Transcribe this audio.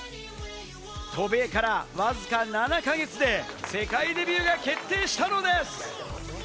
渡米からわずか７か月で世界デビューが決定したのです。